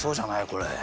これ。